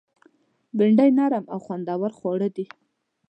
بېنډۍ نرم او خوندور خواړه دي